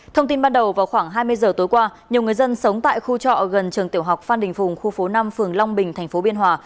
thông tin ban đầu vào khoảng hai mươi giờ tối qua nhiều người dân sống tại khu trọ gần trường tiểu học phan đình phùng khu phố năm phường long bình tp biên hòa